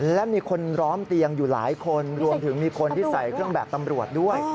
และมีคนล้อมเตียงอยู่หลายคนรวมถึงมีคนที่ใส่เครื่องแบบตำรวจด้วย